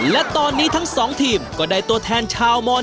และตอนนี้ทั้งสองทีมก็ได้ตัวแทนชาวม๑